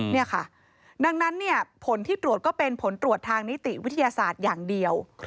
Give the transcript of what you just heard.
นี่ค่ะดังนั้นผลที่ตรวจก็เป็นผลตรวจทางนิติวิทยาศาสตร์อย่างเดียว